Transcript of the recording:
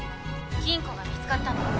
金庫が見つかったの。